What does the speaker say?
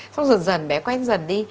xong rồi dần bé quen dần đi